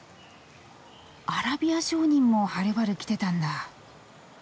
アラビア商人もはるばる来てたんだ！